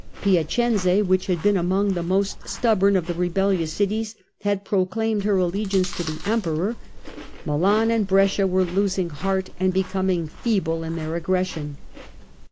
Piacenza, which had been among the most stubborn of the rebellious cities, had proclaimed her allegiance to the Emperor. Milan and Brescia were losing heart and becoming feeble in their aggression.